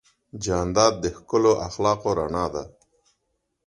جانداد د ښکلو اخلاقو رڼا ده.